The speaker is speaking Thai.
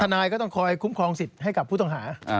นายก็ต้องคอยคุ้มครองสิทธิ์ให้กับผู้ต้องหา